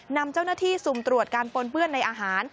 นำเจ้าหน้าที่สุ่มตรวจการปนเปื้อนในอาหาร